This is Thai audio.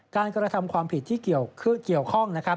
การกระทำความผิดที่เกี่ยวข้อง